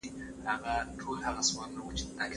آیا دا ممکنه ده چې یو پاچا دومره کمزوری وي؟